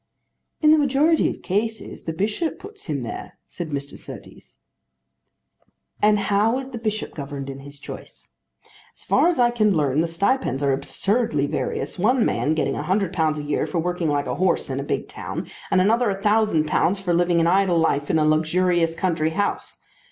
"In the majority of cases the bishop puts him there," said Mr. Surtees. "And how is the bishop governed in his choice? As far as I can learn the stipends are absurdly various, one man getting £100 a year for working like a horse in a big town, and another £1000 for living an idle life in a luxurious country house.